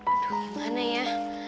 aduh gimana ya